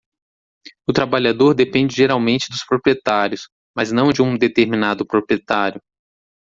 O trabalhador depende geralmente dos proprietários, mas não de um determinado proprietário.